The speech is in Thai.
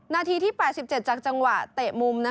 นาทีที่๘๗จากจังหวะเตะมุม